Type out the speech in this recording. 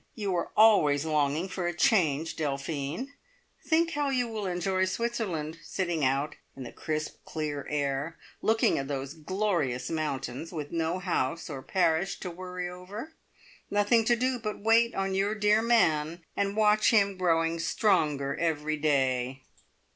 You were always longing for a change, Delphine. Think how you will enjoy Switzerland, sitting out in the crisp clear air, looking at those glorious mountains, with no house or parish to worry over nothing to do but wait on your dear man, and watch him growing stronger every day!"